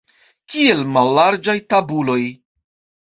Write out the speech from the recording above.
Kiel mallarĝaj tabuloj!